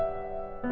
terima kasih yoko